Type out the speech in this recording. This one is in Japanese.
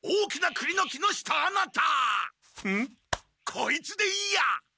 こいつでいいや！